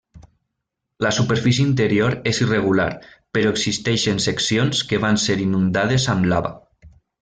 La superfície interior és irregular, però existeixen seccions que van ser inundades amb lava.